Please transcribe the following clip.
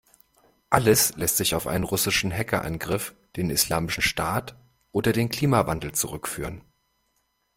Alles lässt sich auf einen russischen Hackerangriff, den Islamischen Staat oder den Klimawandel zurückführen.